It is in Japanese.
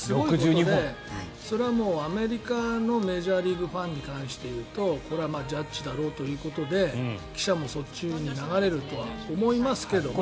それはアメリカのメジャーリーグファンに関していうとこれはジャッジだろうということで記者もそっちに流れるとは思いますけども。